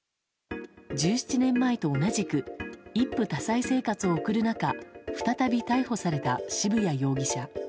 １７年前と同じく一夫多妻生活を送る中再び逮捕された渋谷容疑者。